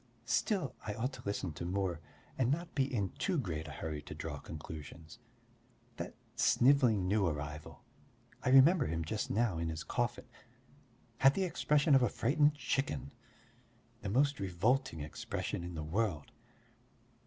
Still, I ought to listen to more and not be in too great a hurry to draw conclusions. That snivelling new arrival I remember him just now in his coffin had the expression of a frightened chicken, the most revolting expression in the world!